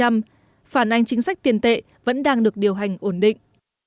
điều này phản ánh chính sách tiền tệ vẫn đang được điều hành ổn định